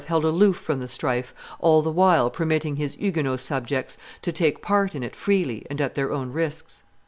held aloof from the strife, all the while permitting his Huguenot subjects to take part in it freely and at their own risks.